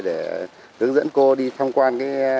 để hướng dẫn cô đi tham quan